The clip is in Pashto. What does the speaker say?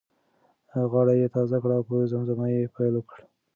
غاړه یې تازه کړه او په زمزمه یې پیل وکړ.